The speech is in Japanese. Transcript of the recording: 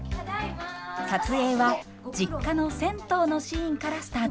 撮影は実家の銭湯のシーンからスタートしました。